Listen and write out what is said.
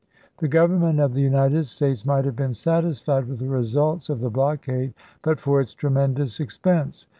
The Government of the United States might have been satisfied with the results of the blockade but for its tremendous expense.